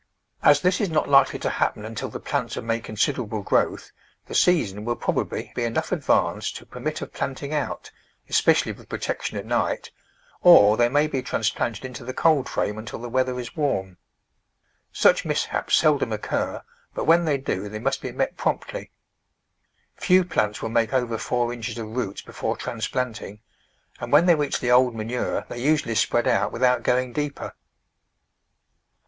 As this is not likely to hap pen until the plants have made considerable growth the season will probably be enough advanced to per mit of planting out, especially with protection at night, or they may be transplanted into the cold frame until the weather is warm. Such mishaps sel dom occur, but when they do, they must be met promptly. Few plants will make over four inches of roots before transplanting, and when they reach the old manure they usually spread out without going deeper.